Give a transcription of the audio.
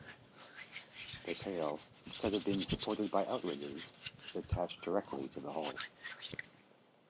The tail, instead of being supported by outriggers, is attached directly to the hull.